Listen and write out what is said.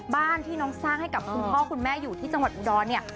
บ้านที่น้องสร้างให้กับคุณพ่อคุณแม่อยู่ที่จังหวัดอุดรเนี่ย